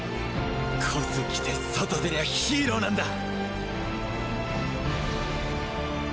コス着て外出りゃヒーローなんだ。